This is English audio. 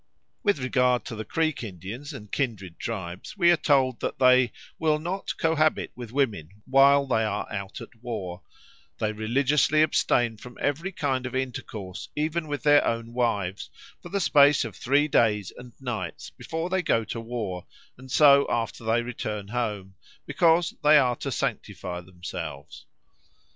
With regard to the Creek Indians and kindred tribes we are told they "will not cohabit with women while they are out at war; they religiously abstain from every kind of intercourse even with their own wives, for the space of three days and nights before they go to war, and so after they return home, because they are to sanctify themselves."